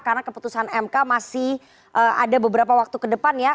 karena keputusan mk masih ada beberapa waktu ke depan ya